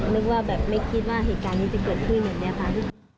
นึกว่าไม่คิดว่าเหตุการณ์นี้จะเกิดขึ้นอีกนิดนึงนะคะ